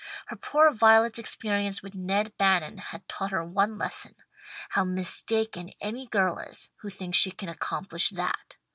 Her poor Violet's experience with Ned Bannon had taught her one lesson how mistaken any girl is who thinks she can accomplish that.